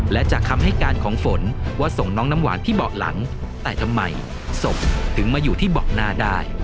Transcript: และจากคำให้การของฝนว่าส่งน้องน้ำหวานที่เบาะหลังแต่ทำไมศพถึงมาอยู่ที่เบาะหน้าได้